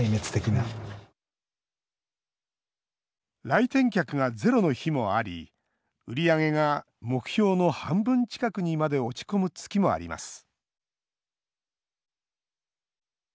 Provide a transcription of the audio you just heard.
来店客がゼロの日もあり売り上げが目標の半分近くにまで落ち込む月もあります。